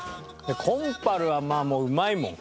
コンパルはもううまいもん。